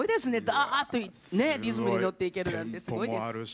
だーっとリズムに乗っていけるなんてすごいです。